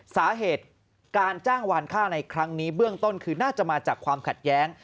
สาเหตุการจ้างวานข้าวในครั้งนี้เบื้องต้นคือน่าจะมาจากความขัดแย้ง